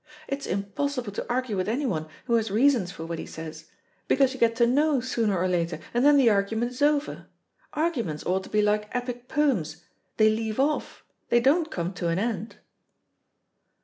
It's impossible to argue with anyone who has reasons for what he says, because you get to know sooner or later, and then the argument is over. Arguments ought to be like Epic poems, they leave off, they don't come to an end."